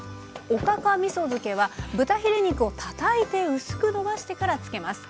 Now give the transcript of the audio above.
おかかみそ漬けは豚ヒレ肉をたたいて薄くのばしてから漬けます。